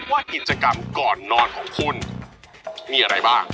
ว่ากิจกรรมก่อนนอนของคุณมีอะไรบ้าง